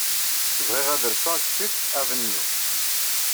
Bɣiɣ ad rseɣ deg Fifth Avenue.